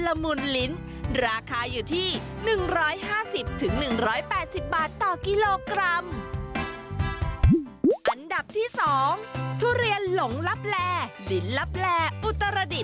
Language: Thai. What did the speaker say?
อันดับที่๒ทุเรียนหลงลับแลลินลับแลอุตรดิศ